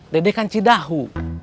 dede kan cidahu